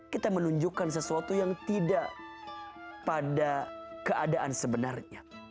kita menunjukkan sesuatu yang tidak pada keadaan sebenarnya